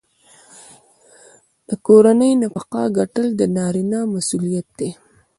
د کورنۍ نفقه ګټل د نارینه مسوولیت دی.